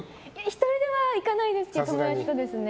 １人では行かないですね友達とですね。